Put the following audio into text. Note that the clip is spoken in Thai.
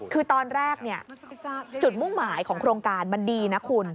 คือตอนแรกจุดมุ่งหมายของโครงการมันดีนะคุณ